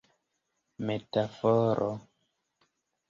metaforo